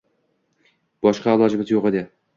Boshqa ilojimiz yo`q edi